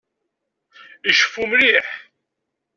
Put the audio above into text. Iceffu mliḥ.